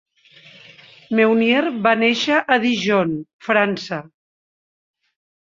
Meunier va néixer a Dijon, França.